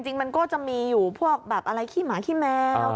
จริงมันก็จะมีอยู่พวกแบบอะไรขี้หมาขี้แมว